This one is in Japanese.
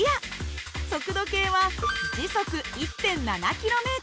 速度計は時速１．７ｋｍ。